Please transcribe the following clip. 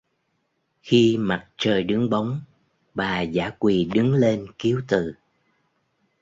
Khi mặt trời đứng bóng bà dã quỳ đứng lên kiếu từ